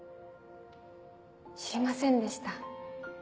知りませんでした。